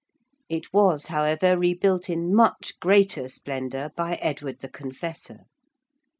It was, however, rebuilt in much greater splendour by Edward the Confessor.